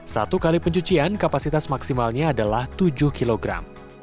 satu kali pencucian kapasitas maksimalnya adalah tujuh kilogram